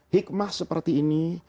hikmah seperti ini